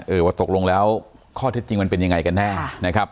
ว่าตกลงแล้วข้อเท็จจริงมันเป็นยังไงกันแน่นะครับ